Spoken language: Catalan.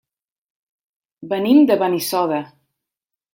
Venim de Benissoda.